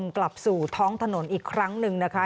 กลับสู่ท้องถนนอีกครั้งหนึ่งนะคะ